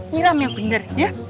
niram yang bener